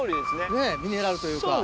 ねっミネラルというか。